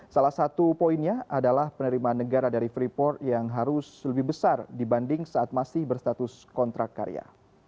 salah satu poinnya adalah penerimaan negara dari freeport yang harus lebih besar dibanding saat masih berstatus kontrak karya